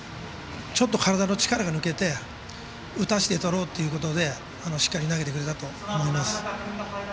ちょっと体の力が抜けて打たせてとろうということでしっかり投げてくれたと思います。